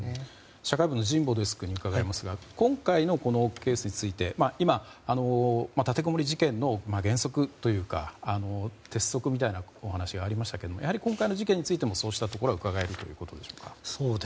社会部の神保デスクに伺いますが今回のケースについて今、立てこもり事件の原則というか、鉄則みたいなお話がありましたけれどもやはり今回の事件についてもそうしたところがうかがえるということですか。